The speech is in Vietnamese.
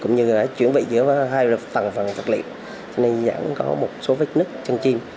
cũng như là chuyển vị giữa hai phần phần chất liệu cho nên dẫn có một số vết nứt chân chim